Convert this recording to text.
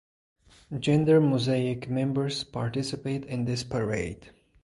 Gender Mosaic members participate in this parade.